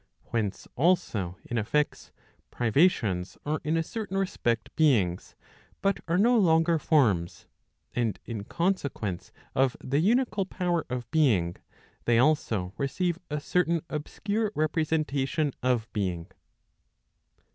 Whence also, in effects, privations are in a certain respect beings, but are no longer forms, and in consequence of the unical power of being, they also receive a certain, obscure representation of being.